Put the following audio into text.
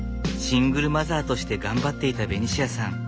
シングルマザーとして頑張っていたベニシアさん。